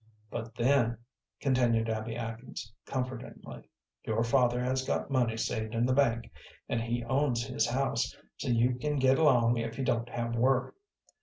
But then," continued Abby Atkins, comfortingly, "your father has got money saved in the bank, and he owns his house, so you can get along if he don't have work.